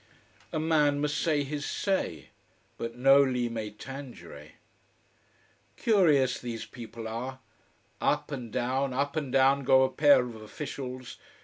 A man must say his say. But noli me tangere. Curious these people are. Up and down, up and down go a pair of officials.